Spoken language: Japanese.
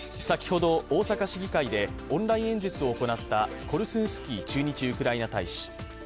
先ほど大阪市議会でオンライン演説を行ったコルスンスキー駐日ウクライナ大使。